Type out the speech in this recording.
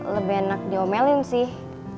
lebih enak diomelin sih